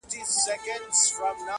وجود شراب شراب نشې نشې لرې که نه,